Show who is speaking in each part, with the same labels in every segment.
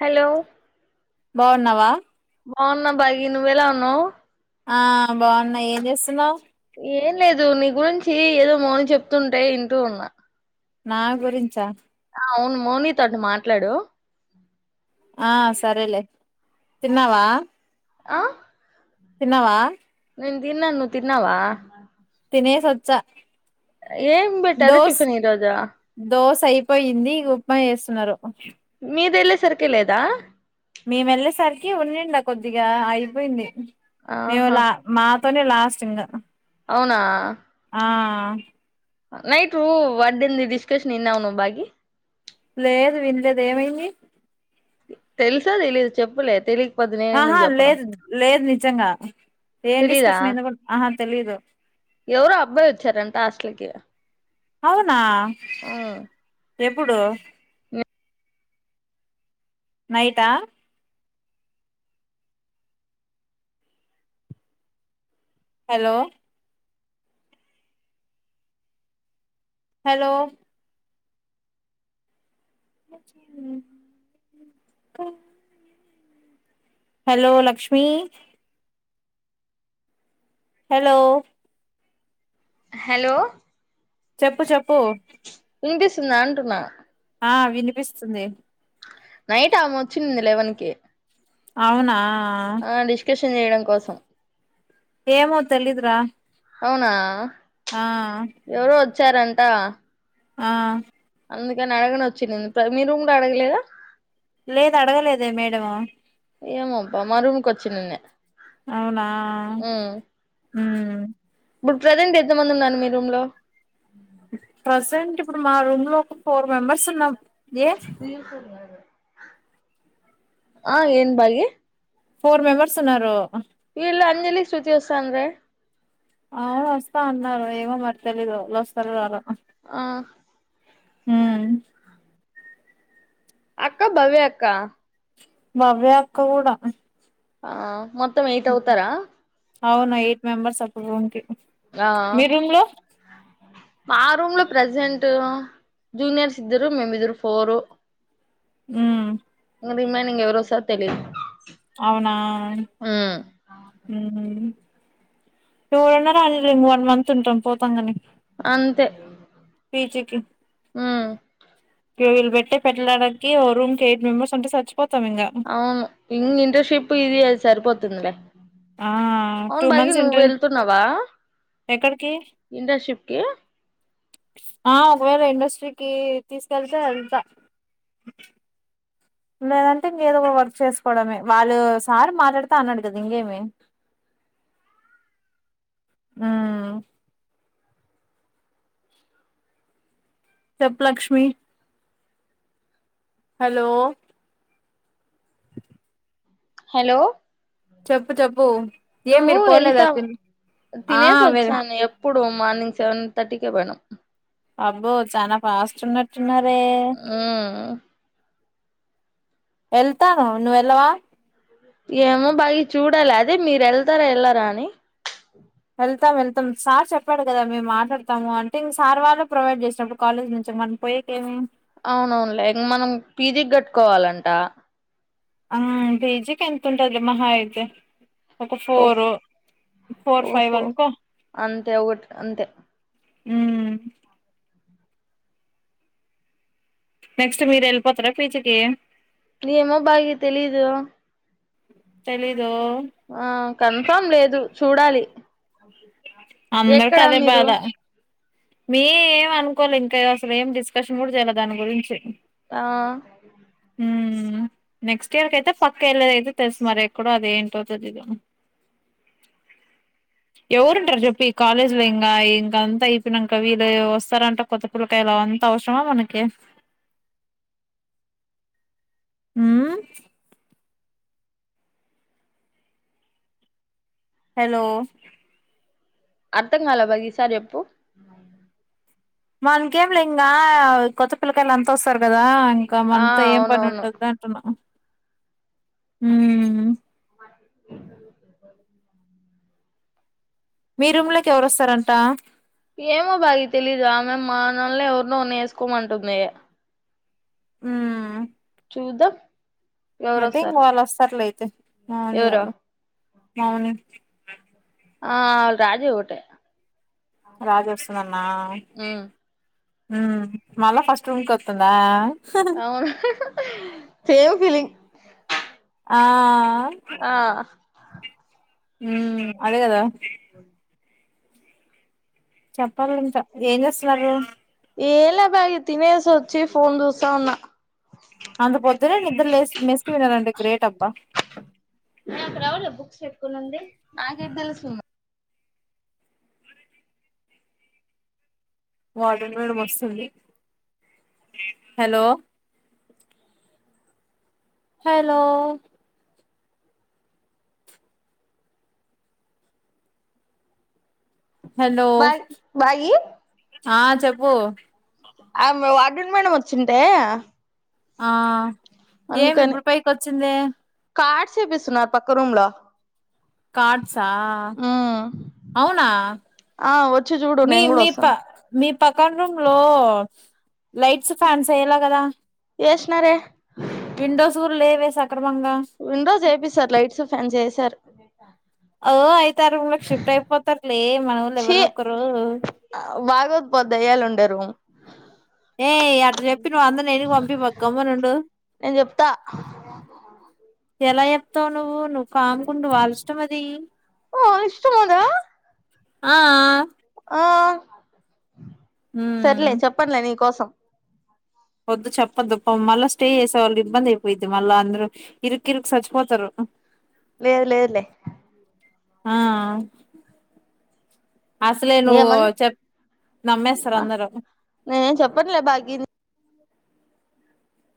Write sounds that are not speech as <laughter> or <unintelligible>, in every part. Speaker 1: Hello
Speaker 2: బాగున్నావా
Speaker 1: బాగున్నా బాగి నువ్వేల ఉన్నావు
Speaker 2: ఆ బాగున్నాయి ఏం చేస్తున్నావు
Speaker 1: ఏం లేదు నీ గురించి ఏదో మౌనీ చెప్తుంటే వింటూ ఉన్నా
Speaker 2: నా గురించా
Speaker 1: మోనితోటు మాట్లాడు
Speaker 2: ఆ సరేలే తిన్నావా
Speaker 1: ఆ
Speaker 2: తిన్నవా
Speaker 1: నేన్ తిన్నా నువ్వు తిన్నావా
Speaker 2: తినేసొచ్చ
Speaker 1: ఏం పెట్టారు
Speaker 2: దోశ
Speaker 1: టిఫిన్ ఈరోజు
Speaker 2: దోశ అయిపోయింది ఉప్మా చేస్తున్నారు
Speaker 1: వచ్చేసరికే లేదా
Speaker 2: మేము వెళ్ళేసరికి ఉండండా కొద్దిగా అయిపోయింది
Speaker 1: ఆహా
Speaker 2: నవులా మా త లాస్ట్ ఇంగా
Speaker 1: అవునా
Speaker 2: ఆ
Speaker 1: నైట్ రూ వర్దెన్ డిస్కషన్ ఇన్నవను బాగి
Speaker 2: లేదు వినలేదు ఏమైంది
Speaker 1: తెల్సదు ఇలి చెప్పులే తెలి
Speaker 2: ఆహా లేదు లేదు నిజంగా ఏం డిస్కషన్ ఎందుకు ఆహా తెలిదు
Speaker 1: ఎవరు అబ్బాయి వచ్చారంట హాస్టల్కి
Speaker 2: అవునా ఎప్పుడు నయితా hello hello hello Lakshmi hello
Speaker 1: hello
Speaker 2: చెప్పు చెప్పు
Speaker 1: ఇంగ్లీష్ంద అంటన్నా
Speaker 2: ఆ వినిపిస్తుంది
Speaker 1: నైట్ అమె వచ్చింది లెవెన్ కి
Speaker 2: అవునా
Speaker 1: ఆ లిష్కష్ చేయడం కోసం
Speaker 2: ఏమో తెలిదుర
Speaker 1: అవునా
Speaker 2: ఆ
Speaker 1: వచ్చారంటా
Speaker 2: ఆ
Speaker 1: అందుకని <unintelligible> వచ్చింది మీరు రూమ్ లో అడగలేదా
Speaker 2: లేదు అడగలేదె మేడము
Speaker 1: ఏమొ అబ్బా మా రూముకి వచ్చ నిన్నె
Speaker 2: అవునా ఉ
Speaker 1: ఇబ్బుడు ప్రజెంట్ ఎంత మంది ఉన్నారు మీ రూమ్ లో
Speaker 2: ప్రజెంట్ ఇప్పుడు మా రూమ్ లో ఒక ఫోర్ మెంబర్స్ ఉన్నాం ఏ
Speaker 1: ల్ స ఆ ఏంద్ బాగి
Speaker 2: ఫోర్ మెంబర్స్ ఉన్నారు
Speaker 1: వీళ్ళు అంజలి శృతి వత్సాండ్రే
Speaker 2: ఆ వస్తా అన్నారు ఏమో మరి తెలీదు వస్తారో రారొ
Speaker 1: ఆ
Speaker 2: అ
Speaker 1: అక్క భవ్య అక్క
Speaker 2: భవ్యా అక్క గూడ
Speaker 1: ఆ మొ
Speaker 2: అవునా ఎయిట్ మెంబర్స్ అ రూమ్ కి
Speaker 1: ఆ
Speaker 2: మీ రూమ్ లో
Speaker 1: మా రూమ్ లో ప్రెసెంట్ టూ జూనియర్స్ ఇద్దరు మేము ఇద్దరు ఫోరు
Speaker 2: ఉ
Speaker 1: ఇంగ రిమైనింగ్ ఎవరొస్తారొ తెలిదు
Speaker 2: అవునా ఎవరన్న రానిలే ఇంగ వన్ మంత్ ఉంటాం పోతాం గానీ
Speaker 1: అంతే
Speaker 2: ఫీజికి
Speaker 1: ఉమ్
Speaker 2: వీళ్ళు పెట్టి పెట్టడానికి ఓ రూమ్ కి ఎయిట్ మెంబర్స్ అంటే సచ్
Speaker 1: అవును ఇంగ్ ఇంటర్న్షిప్ ఇది అది సరిపోత్ తుంది లే
Speaker 2: ఆ టూ
Speaker 1: అవును భాగి
Speaker 2: మంత్స్
Speaker 1: నువ్వు
Speaker 2: ఇంటర్
Speaker 1: వెళ్తున్నావా
Speaker 2: ఎక్కడికి
Speaker 1: ఇంటర్షిప్ కి
Speaker 2: ఆ ఒకవేళ ఇండస్ట్రీకి తీసుకెళ్తే వెళ్తా లేదంటే ఇంగ ఏదో ఒక వర్క్ చేసుకోవడమే వాళ్ళు సారు మాట్లాడుతా అన్నాడు కదా ఇంగేమి ఊ చొప్పు లక్ష్మి హలో అ
Speaker 1: హలో
Speaker 2: చెప్పు చెప్పు ఏం
Speaker 1: నువ్వు
Speaker 2: మీరు పోలేదా
Speaker 1: వెళ్తావు
Speaker 2: తిన్ ఆ
Speaker 1: తినే
Speaker 2: వెల్
Speaker 1: సొచ్చాను ఎప్పుడు మార్నింగ్ సెవన్ తర్టీికే పోయినాం
Speaker 2: అబ్బో చాన ఫాస్ట్ ఉన్నట్టు టున్నారె
Speaker 1: ఉమ్
Speaker 2: వెళ్తాను నువ్వెల్లవా
Speaker 1: ఏమో బాగి చూడాలె అదే మీరు వెళ్తారా వెళ్ల రా అని
Speaker 2: వెళ్తాం వెళ్తాం సార్ చెప్పాడు కదా మేము మాట్లాడతాము అంటే ఇంక సార్ వాళ్ళు ప్రొవైడ్ చేసినప్పుడు కాలేజ్ నుంచి మనం పోయేకేమి
Speaker 1: అవునవునులే ఇంక మనం పీజీ క్ కట్టుకోవాలంట
Speaker 2: ఆ పేజీక్ ఎంత ఉంటది మహా అయితే ఒక
Speaker 1: ఒ
Speaker 2: ఫోర్ ఫోర్ ఫైవ్
Speaker 1: ఓహో
Speaker 2: అనుకో
Speaker 1: అంతే ఒకటి అంతే
Speaker 2: ఉమ్ నెక్స్ట్ మీరెళ్ళిపోతార పీజీకి
Speaker 1: ఏమో భాగి తెలీదు
Speaker 2: తెలీద్
Speaker 1: ఆ కన్ఫామ్ లేదు చూడాలి అది
Speaker 2: అందర్కి అదే బాధ మీ ఏం అనుకోలె ఇంక అసలు ఏం డిస్కషన్ కూడ చేయాల దాని గురించి
Speaker 1: ఆ
Speaker 2: ఉమ్ నెక్స్ట్ ఇయర్ కయితే పక్కా వెళ్ళద అయితే తెలుసు మరి ఎక్కడో అది ఏంటో అవుతుంది ఇద ఎవరుంటారు చెప్పి ఈ కాలేజ్ లో ఇంకా ఇంకా అంతా ినక వీళ్ళు వస్తారంటే కొత్త పిల్లకాయల అంత అవసరమా మనకి ఉమ్ హెలో
Speaker 1: అర్థం కాల బాగిసా చెప్పు
Speaker 2: వాల్లకేం లే ఇంగా కొత్త పిల్లకాయలు అంత వస్తారు కదా ఇంక
Speaker 1: ఆ
Speaker 2: మనతో ఏం పని
Speaker 1: అవునవును
Speaker 2: ఉంటది అంటున్నాం హు మీ రూమ్లోకి ఎవరొస్తారంట
Speaker 1: ఏమో బాగా తెలీదు ఆమె మానల్ని ఎవరినో వేసుకోమంటుంది
Speaker 2: ఆ
Speaker 1: చూద్దాం
Speaker 2: అయితే ఇంక
Speaker 1: ఎవరోస్తారు
Speaker 2: వాళ్ళు వస్తార్లేయితే పావని
Speaker 1: ఎవరో
Speaker 2: వాళ్ళు మాౌని మ్
Speaker 1: ఆ రాజు ఒకటే
Speaker 2: రాజొస్తుందన్నా
Speaker 1: ఉమ్
Speaker 2: మళ్ళ ఫస్ట్ రూమ్కి వస్తుందా
Speaker 1: అవును సేమ్ ఫీలింగ్
Speaker 2: ఆ
Speaker 1: ఆ
Speaker 2: ఊ అదేగదా చెప్పాలింక ఏం చేస్తున్నారు
Speaker 1: ఏలా బాగ తినేసి వచ్చి ఫోన్ చూసా ఉన్నా
Speaker 2: అంత పొద్దునేే నిద్ర లే మెస్కి వినారంండి గ్రేట్ అబ్బా
Speaker 1: కు నుడి నాకే తెలుసు
Speaker 2: వార్డన్ మేడం వస్తుంది hello hello hello
Speaker 1: bye bye
Speaker 2: ఆ చెప్పు
Speaker 1: ఆమ వాడన్ మేడం వచ్చింటే
Speaker 2: ఆ ఏమి ఇప్పుడు పైకి వచ్చింది
Speaker 1: చేపిసున్నారు పక్క రూమ్ లొ
Speaker 2: కాడ్సా అవునా
Speaker 1: ఆ వచ్చి చూడు
Speaker 2: మీ
Speaker 1: నేను కూడా
Speaker 2: మీ ప
Speaker 1: వస్తాను
Speaker 2: మీ పక్కన రూమ్లో లైట్స్ ఫ్యాన్స్ అయ్యలా కదా
Speaker 1: ఏష్నా రే
Speaker 2: విండోస్ కూడా లేవే సక్రమంగా
Speaker 1: విండోస్ చేపిస్తారు లైట్స్ ఫ్యాన్ చేస్ తారు
Speaker 2: ఓ అయితే ఆ రూమ్ లకు షిఫ్ట్ అయిపోతర్లే
Speaker 1: చి అ బాగోద్ పో దయ్యాలుండరు
Speaker 2: ఏ అటు చెప్పి నువ్వు అంద నేను పంపి మాకు గమ్మనుండు
Speaker 1: నేను చెప్తా
Speaker 2: ఎలా చెప్తావు నువ్వు నువ్వు కామ్కుండు వాళ్ళష్టం అది
Speaker 1: ఆహ్ ఇష్టముందా.
Speaker 2: ఆ ఆ
Speaker 1: ఆ సరేలే
Speaker 2: ఉమ్
Speaker 1: చెప్పన్ లే నీ కోసం
Speaker 2: వద్దు చెప్పద్దుప్ప మళ్ళా స్టే చేసే వాళ్ళు ఇబ్బంది అయిపోయిద్ది మళ్ళా అందరు ఇరుకు ఇరుకు సచ్చిపోతారు
Speaker 1: లేదు లేదులే
Speaker 2: ఆ అసలే నువ్వు
Speaker 1: ఏమంది
Speaker 2: చెప్ నమ్మేస్తారు అందరు
Speaker 1: నేనేం చెప్పనులే భాగి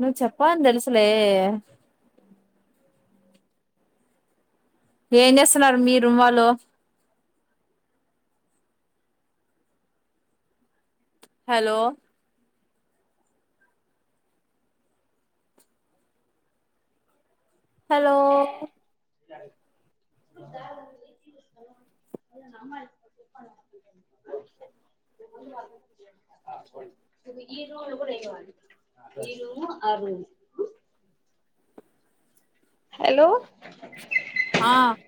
Speaker 2: నువ చెప్పా అని దెలుసులే ఏం చేస్తున్నారు మీ రూమ్ వాళ్ళు హలో హలో
Speaker 1: <inaudible> ఈ రూల్ కూడా ఎయవాను ఈరు అరుర్ హలో
Speaker 2: ఆహ్.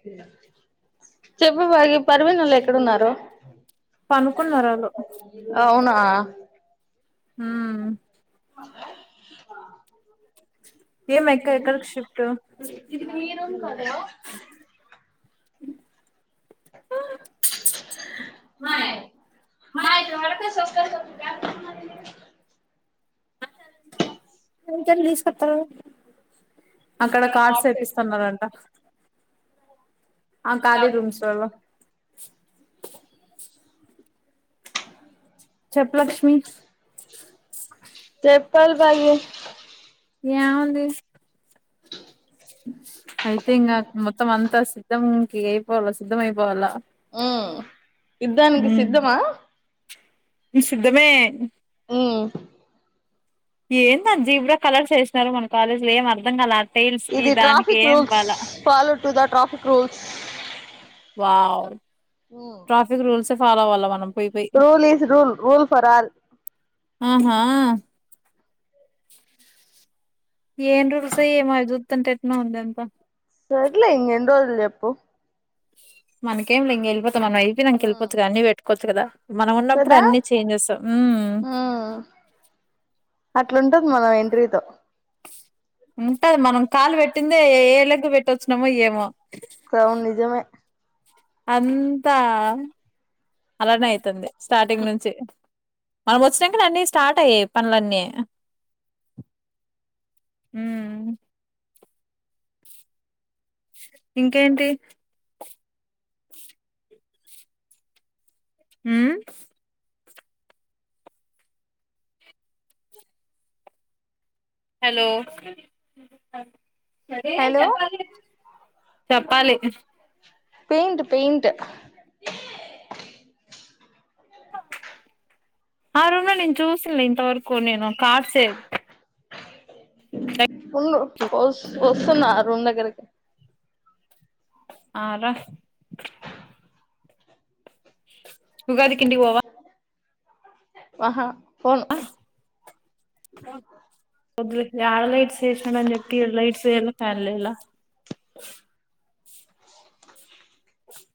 Speaker 1: చెప్పుబాగ పర్వినచ ఒళ్ళు ఎక్కడున్నారు.
Speaker 2: పనుకున్నారు ఆళ్ళు
Speaker 1: అవునా. ఆహ్.
Speaker 2: ఉమ్ ఏం ఎక్క ఎక్కడికి షిఫ్ట్
Speaker 1: ఇది మీ రుమ్ కదా.
Speaker 2: మై మై అక్కడ కార్డ్స్ తెప్పిస్తన్నారంట ఆహ్ ఖాళీ రూమ్స్ లలో. చెప్పు లక్ష్మి.
Speaker 1: పల్వయే.
Speaker 2: ఏం ఉంది. అయిపోయిందా మొత్తం అంతా సిద్ధం. అయిపోవాలా సిద్ధమయిపోవాలా.
Speaker 1: ఉమ్ యుద్ధానికి సిద్ధమా.
Speaker 2: నేను సిద్ధమే.
Speaker 1: ఆహ్.
Speaker 2: ఏంది అది జీబ్రా కలర్ వేసినారు మన కాలేజీ లో ఏం అర్థం కాలే.
Speaker 1: ఇది traffic rules follow to that. Traffic rules.
Speaker 2: Wow.
Speaker 1: Um
Speaker 2: traffic rules. Follow అవ్వాలా మనం. పోయి పోయి
Speaker 1: rule is rule. Rule for all.
Speaker 2: ఆహ్ ఏమ్ రూమ్స్ ఏమో అది చూస్తూ ఉంటే ఏట్నో ఉంది అది అంత.
Speaker 1: సర్లే ఇంకేన్ని రోజులు చేప్పు.
Speaker 2: మనకేంలే ఇంగవెళ్ళిపో అది అయిపోయినంక
Speaker 1: ఉమ్
Speaker 2: వెళ్లిపోవచ్చు కానీ అన్ని పెట్టుకోవద్దు. కదా. మనం ఉన్నప్పుడే
Speaker 1: కదా
Speaker 2: అన్ని చేంజెస్ ఉమ్.
Speaker 1: మన ఎంట్రీతో.
Speaker 2: ఉంటది మనం కాలు పెట్టిందే ఏ లేగ్గు పెట్టొచ్చినమో ఏమో.
Speaker 1: అవును నిజమే
Speaker 2: ఉమ్ అంతా అలానే అయితుంది స్టార్టింగ్ నుంచి మనం వచ్చినాంకనే అన్ని స్టార్ట్ అయయి పనులన్నీ. ఇంకేంటి. హ్మ్మ్ హలో
Speaker 1: హలో
Speaker 2: చెప్పాలి
Speaker 1: పెయింట్ పెయింట్
Speaker 2: ఆ మా రూమ్ లో నేను చూసిన లేండి వరకు నేను కార్ సే
Speaker 1: హ్మ్మ్ వోస్ వోస్తున్న రూమ్ దగ్గరికి
Speaker 2: ఆ దా ఉగాదికి ఇంటికి పోవ
Speaker 1: ఆహా పోను
Speaker 2: మొద్లికి యళ్ లైట్స్ వేసడాని చెప్పి లైట్స్ ఏల ఫ్యాన్లలా